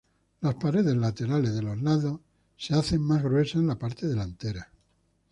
Las paredes laterales de los lados se hacen más gruesas en la parte delantera.